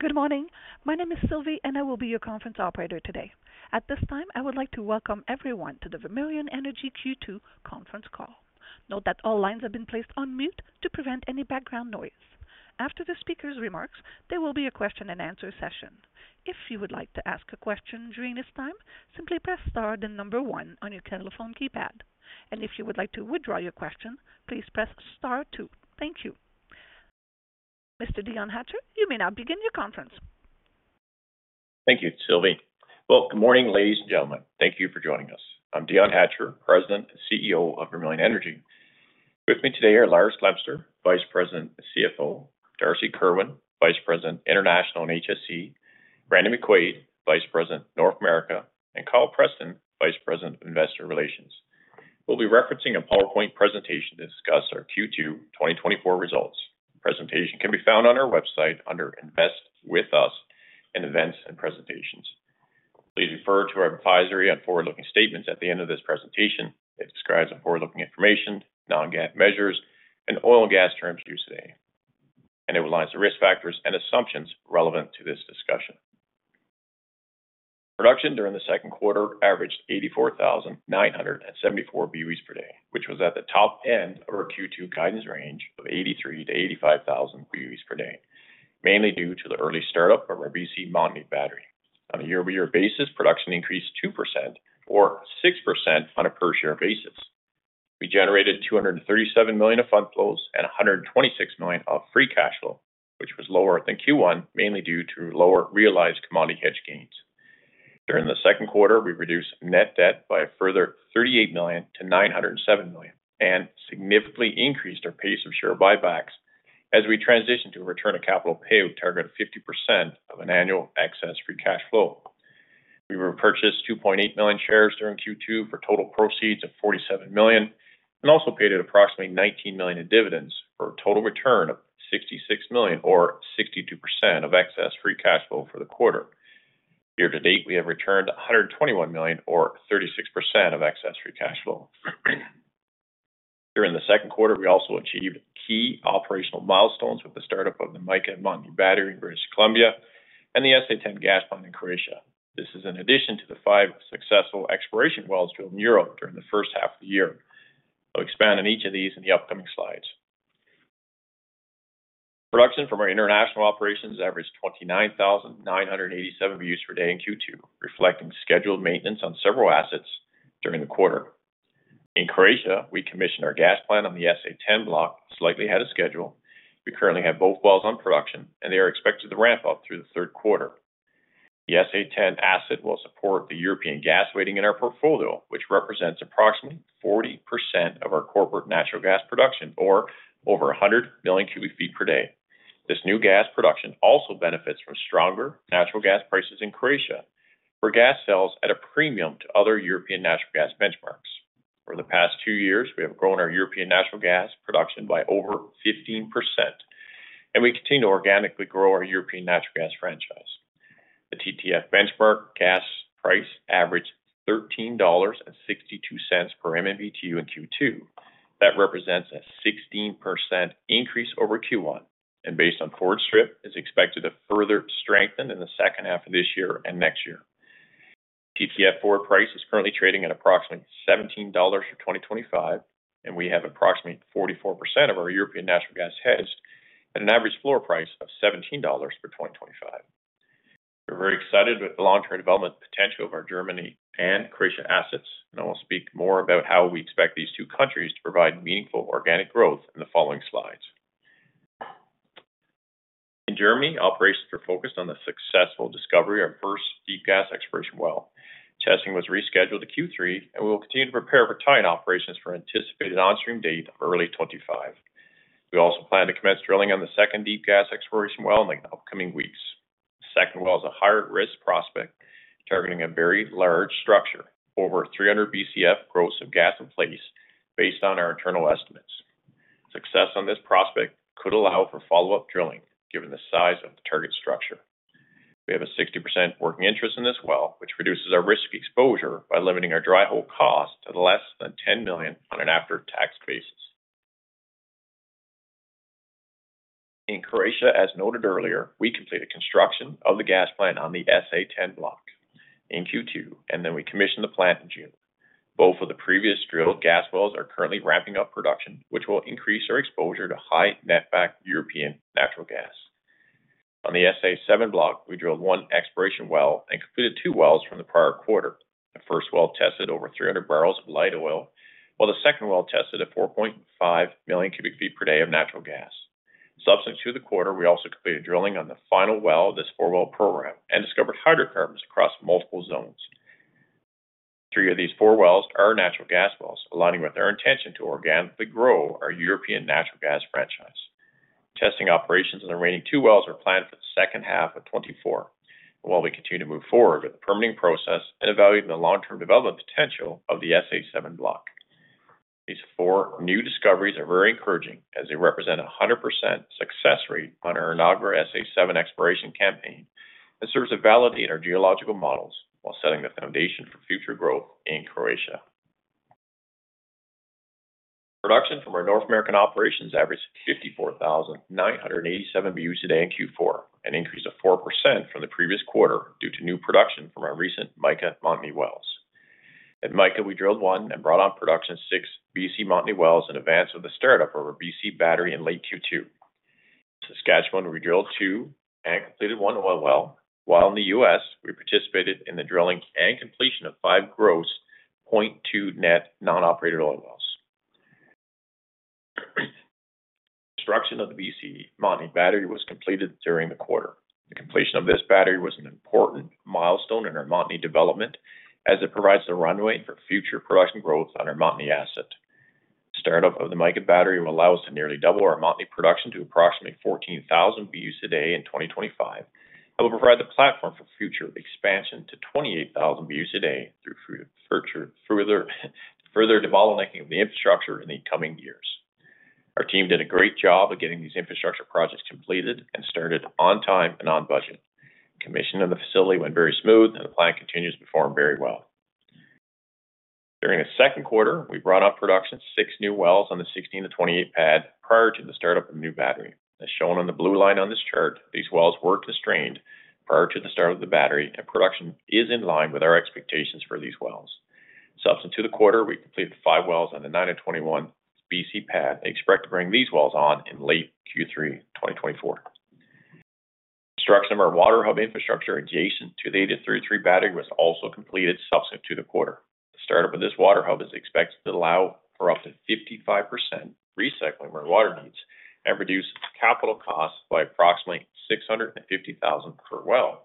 Good morning. My name is Sylvie, and I will be your conference operator today. At this time, I would like to welcome everyone to the Vermilion Energy Q2 Conference Call. Note that all lines have been placed on mute to prevent any background noise. After the speaker's remarks, there will be a question and answer session. If you would like to ask a question during this time, simply press star then number one on your telephone keypad. If you would like to withdraw your question, please press star two. Thank you. Mr. Dion Hatcher, you may now begin your conference. Thank you, Sylvie. Well, good morning, ladies and gentlemen. Thank you for joining us. I'm Dion Hatcher, President and CEO of Vermilion Energy. With me today are Lars Glemser, Vice President and CFO, Darcy Kerwin, Vice President, International and HSE, Brandon McQuaid, Vice President, North America, and Kyle Preston, Vice President of Investor Relations. We'll be referencing a PowerPoint presentation to discuss our Q2 2024 results. Presentation can be found on our website under Invest With Us in Events and Presentations. Please refer to our advisory on forward-looking statements at the end of this presentation that describes the forward-looking information, non-GAAP measures, and oil and gas terms used today, and it relies on risk factors and assumptions relevant to this discussion. Production during the second quarter averaged 84,974 BOEs per day, which was at the top end of our Q2 guidance range of 83,000-85,000 BOEs per day, mainly due to the early startup of our BC Montney battery. On a year-over-year basis, production increased 2% or 6% on a per-share basis. We generated 237 million of funds flow and 126 million of free cash flow, which was lower than Q1, mainly due to lower realized commodity hedge gains. During the second quarter, we reduced net debt by a further CAD 38 million to CAD 907 million and significantly increased our pace of share buybacks as we transitioned to a return of capital payout target of 50% of an annual excess free cash flow. We repurchased 2.8 million shares during Q2 for total proceeds of 47 million, and also paid out approximately 19 million in dividends for a total return of 66 million or 62% of excess free cash flow for the quarter. Year to date, we have returned 121 million or 36% of excess free cash flow. During the second quarter, we also achieved key operational milestones with the startup of the Mica Montney battery in British Columbia and the SA-10 gas plant in Croatia. This is in addition to the five successful exploration wells drilled in Europe during the first half of the year. I'll expand on each of these in the upcoming slides. Production from our international operations averaged 29,987 BOEs per day in Q2, reflecting scheduled maintenance on several assets during the quarter. In Croatia, we commissioned our gas plant on the SA-10 block, slightly ahead of schedule. We currently have both wells on production, and they are expected to ramp up through the third quarter. The SA-10 asset will support the European gas weighting in our portfolio, which represents approximately 40% of our corporate natural gas production, or over 100 million cubic feet per day. This new gas production also benefits from stronger natural gas prices in Croatia, where gas sells at a premium to other European natural gas benchmarks. Over the past two years, we have grown our European natural gas production by over 15%, and we continue to organically grow our European natural gas franchise. The TTF benchmark gas price averaged $13.62 per MMBtu in Q2. That represents a 16% increase over Q1, and based on forward strip, is expected to further strengthen in the second half of this year and next year. TTF forward price is currently trading at approximately $17 for 2025, and we have approximately 44% of our European natural gas hedged at an average floor price of $17 for 2025. We're very excited with the long-term development potential of our Germany and Croatian assets, and I will speak more about how we expect these two countries to provide meaningful organic growth in the following slides. In Germany, operations are focused on the successful discovery of our first deep gas exploration well. Testing was rescheduled to Q3, and we will continue to prepare for tying operations for an anticipated onstream date of early 2025. We also plan to commence drilling on the second deep gas exploration well in the upcoming weeks. The second well is a higher risk prospect, targeting a very large structure, over 300 BCF gross of gas in place based on our internal estimates. Success on this prospect could allow for follow-up drilling, given the size of the target structure. We have a 60% working interest in this well, which reduces our risk exposure by limiting our dry hole cost to less than 10 million on an after-tax basis. In Croatia, as noted earlier, we completed construction of the gas plant on the SA-10 block in Q2, and then we commissioned the plant in June. Both of the previous drilled gas wells are currently ramping up production, which will increase our exposure to high netback European natural gas. On the SA-7 block, we drilled one exploration well and completed two wells from the prior quarter. The first well tested over 300 barrels of light oil, while the second well tested at 4.5 million cubic feet per day of natural gas. Subsequent to the quarter, we also completed drilling on the final well of this 4-well program and discovered hydrocarbons across multiple zones. Three of these four wells are natural gas wells, aligning with our intention to organically grow our European natural gas franchise. Testing operations in the remaining two wells are planned for the second half of 2024, while we continue to move forward with the permitting process and evaluating the long-term development potential of the SA-7 block. These four new discoveries are very encouraging, as they represent 100% success rate on our inaugural SA-7 exploration campaign and serves to validate our geological models while setting the foundation for future growth in Croatia. Production from our North American operations averaged 54,987 BOEs a day in Q4, an increase of 4% from the previous quarter, due to new production from our recent Mica Montney wells. At Mica, we drilled 1 and brought on production 6 BC Montney wells in advance of the startup of our BC battery in late Q2. Saskatchewan, we drilled 2 and completed 1 oil well, while in the U.S., we participated in the drilling and completion of 5 gross, 0.2 net non-operated oil wells. Construction of the BC Montney battery was completed during the quarter. The completion of this battery was an important milestone in our Montney development, as it provides the runway for future production growth on our Montney asset. Startup of the Mica battery will allow us to nearly double our Montney production to approximately 14,000 BOEs a day in 2025, and will provide the platform for future expansion to 28,000 BOEs a day through further developing the infrastructure in the coming years. Our team did a great job of getting these infrastructure projects completed and started on time and on budget. Commissioning of the facility went very smooth, and the plant continues to perform very well. During the second quarter, we brought up production six new wells on the 16-28 pad, prior to the start of the new battery. As shown on the blue line on this chart, these wells were constrained prior to the start of the battery, and production is in line with our expectations for these wells. Subsequent to the quarter, we completed the 5 wells on the 9 and 21 BC pad, and expect to bring these wells on in late Q3 2024. Construction of our water hub infrastructure adjacent to the 8-33 battery was also completed subsequent to the quarter. The startup of this water hub is expected to allow for up to 55% recycling of our water needs and reduce capital costs by approximately 650,000 per well.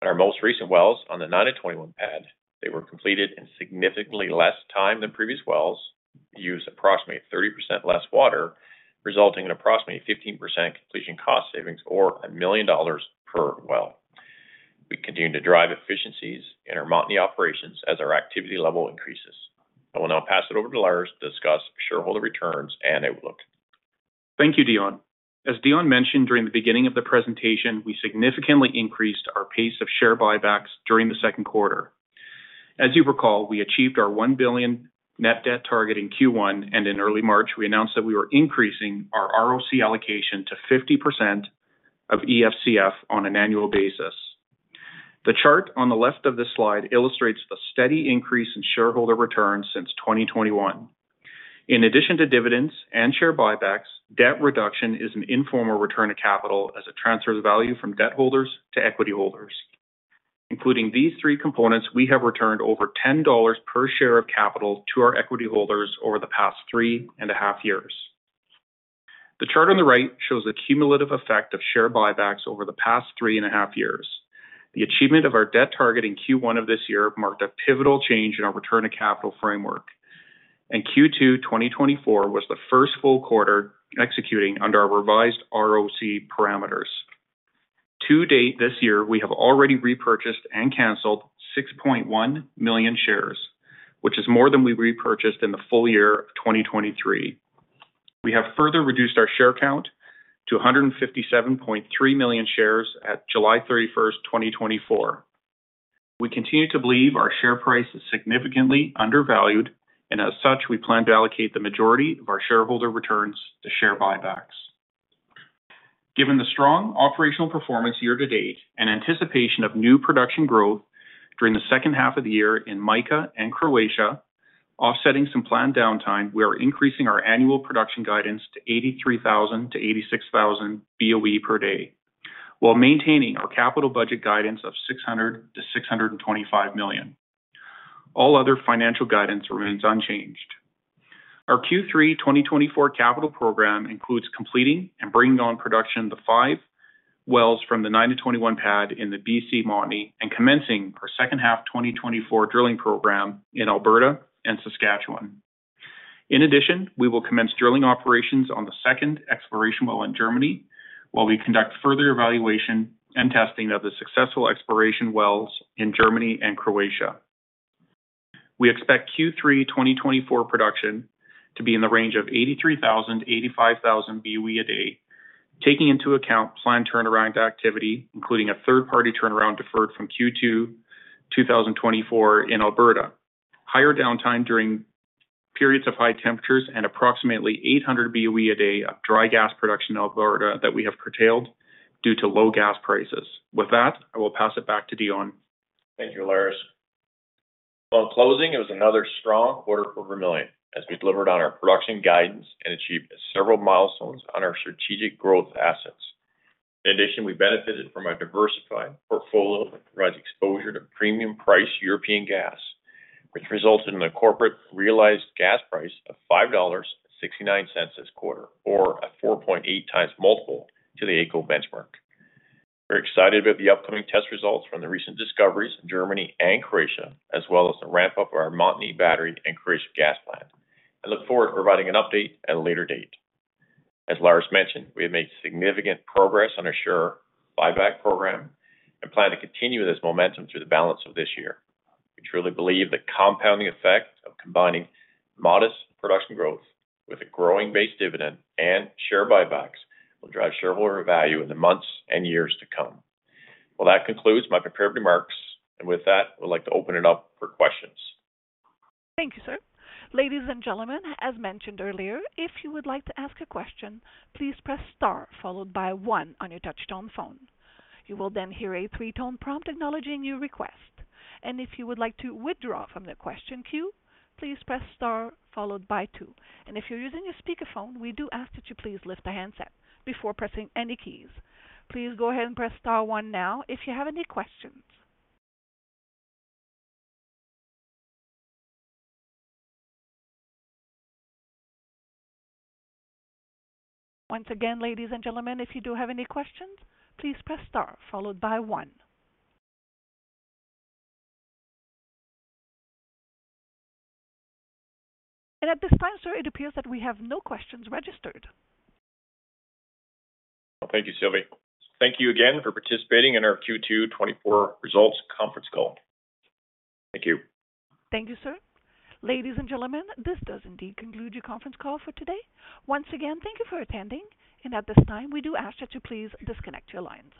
In our most recent wells on the 9-21 pad, they were completed in significantly less time than previous wells, used approximately 30% less water, resulting in approximately 15% completion cost savings or 1 million dollars per well. We continue to drive efficiencies in our Montney operations as our activity level increases. I will now pass it over to Lars to discuss shareholder returns and outlook. Thank you, Dion. As Dion mentioned during the beginning of the presentation, we significantly increased our pace of share buybacks during the second quarter. As you recall, we achieved our 1 billion net debt target in Q1, and in early March, we announced that we were increasing our ROC allocation to 50% of EFCF on an annual basis. The chart on the left of this slide illustrates the steady increase in shareholder returns since 2021. In addition to dividends and share buybacks, debt reduction is an informal return of capital as it transfers value from debt holders to equity holders. Including these three components, we have returned over 10 dollars per share of capital to our equity holders over the past three and a half years. The chart on the right shows the cumulative effect of share buybacks over the past three and a half years. The achievement of our debt target in Q1 of this year marked a pivotal change in our return of capital framework. Q2, 2024 was the first full quarter executing under our revised ROC parameters. To date, this year, we have already repurchased and canceled 6.1 million shares, which is more than we repurchased in the full year of 2023. We have further reduced our share count to 157.3 million shares at July 31, 2024. We continue to believe our share price is significantly undervalued, and as such, we plan to allocate the majority of our shareholder returns to share buybacks. Given the strong operational performance year to date and anticipation of new production growth during the second half of the year in Mica and Croatia, offsetting some planned downtime, we are increasing our annual production guidance to 83,000-86,000 BOE per day, while maintaining our capital budget guidance of 600 million-625 million. All other financial guidance remains unchanged. Our Q3 2024 capital program includes completing and bringing on production the 5 wells from the 9-21 pad in the BC Montney, and commencing our second half 2024 drilling program in Alberta and Saskatchewan. In addition, we will commence drilling operations on the second exploration well in Germany, while we conduct further evaluation and testing of the successful exploration wells in Germany and Croatia. We expect Q3 2024 production to be in the range of 83,000-85,000 BOE a day, taking into account planned turnaround activity, including a third-party turnaround deferred from Q2 2024 in Alberta. Higher downtime during periods of high temperatures and approximately 800 BOE a day of dry gas production in Alberta that we have curtailed due to low gas prices. With that, I will pass it back to Dion. Thank you, Lars. Well, in closing, it was another strong quarter for Vermilion as we delivered on our production guidance and achieved several milestones on our strategic growth assets. In addition, we benefited from a diversified portfolio that provides exposure to premium price European gas, which resulted in a corporate realized gas price of 5.69 dollars this quarter, or a 4.8x multiple to the AECO benchmark. We're excited about the upcoming test results from the recent discoveries in Germany and Croatia, as well as the ramp-up of our Montney battery and Croatia gas plant, and look forward to providing an update at a later date. As Lars mentioned, we have made significant progress on our share buyback program and plan to continue this momentum through the balance of this year. We truly believe the compounding effect of combining modest production growth with a growing base dividend and share buybacks will drive shareholder value in the months and years to come. Well, that concludes my prepared remarks. With that, I'd like to open it up for questions. Thank you, sir. Ladies and gentlemen, as mentioned earlier, if you would like to ask a question, please press star, followed by one on your touchtone phone. You will then hear a three-tone prompt acknowledging your request. And if you would like to withdraw from the question queue, please press star, followed by two. And if you're using a speakerphone, we do ask that you please lift the handset before pressing any keys. Please go ahead and press star one now if you have any questions. Once again, ladies and gentlemen, if you do have any questions, please press star, followed by one. And at this time, sir, it appears that we have no questions registered. Thank you, Sylvie. Thank you again for participating in our Q2 2024 results conference call. Thank you. Thank you, sir. Ladies and gentlemen, this does indeed conclude your conference call for today. Once again, thank you for attending, and at this time, we do ask that you please disconnect your lines.